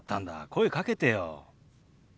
声かけてよ。